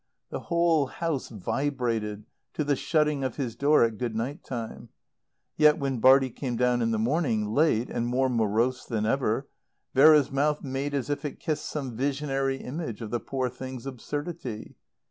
The whole house vibrated to the shutting of his door at Good night time. Yet when Bartie came down in the morning, late, and more morose than ever, Vera's mouth made as if it kissed some visionary image of the poor thing's absurdity.